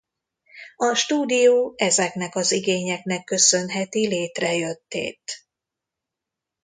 A Stúdió ezeknek az igényeknek köszönheti létrejöttét.